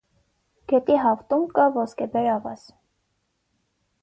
Գետի հավտում կա ոսկեբեր ավազ։